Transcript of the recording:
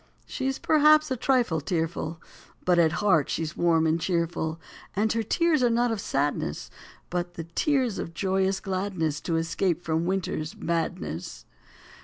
She s perhaps a trifle tearful, But at heart she s warm and cheerful, And her tears are not of sadness, But the tears of joyous gladness To escape from winter s madness.